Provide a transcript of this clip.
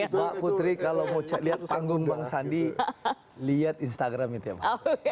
mbak putri kalau mau lihat panggung bang sandi lihat instagram itu ya pak